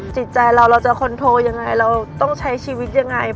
จิตใจเราเราจะคอนโทรยังไงเราต้องใช้ชีวิตยังไง